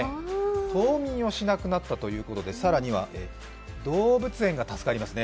冬眠をしなくなったということで動物園が助かりますね。